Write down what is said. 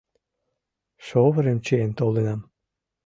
Шовырым чиен толынам.